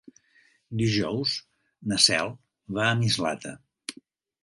Dijous na Cel va a Mislata.